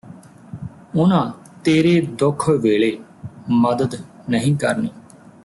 ਉਨ੍ਹਾਂ ਤੇਰੇ ਦੁੱਖ ਵੇਲੇ ਮੱਦਦ ਨਹੀਂ ਕਰਨੀਂ